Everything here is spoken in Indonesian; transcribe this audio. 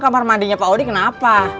kamar mandinya pak odi kenapa